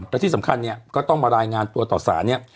และที่สำคัญเนี่ยก็ต้องมารายงานตัวต่อสารเนี่ย